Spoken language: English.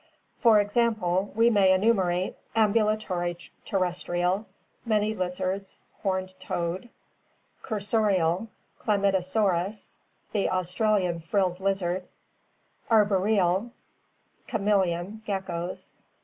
For example, we may enumerate: Ambulatory terrestrial: many lizards, horned toad. Cursorial: Chlamydosaurusf the Australian frilled lizard. Arboreal: chameleon (see Fig. 74), geckoes.